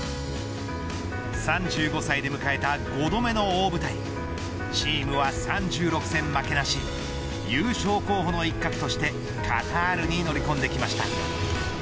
３５歳で迎えた５度目の大舞台チームは３６戦負けなし優勝候補の一角としてカタールに乗り込んできました。